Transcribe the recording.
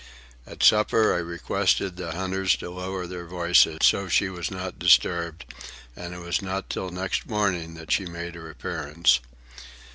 At supper I requested the hunters to lower their voices, so she was not disturbed; and it was not till next morning that she made her appearance.